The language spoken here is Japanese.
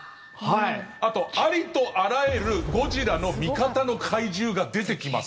あと、ありとあらゆるゴジラの味方の怪獣が出てきます。